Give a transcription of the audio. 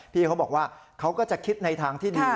พี่เขาบอกว่าเขาก็จะคิดในทางที่ดี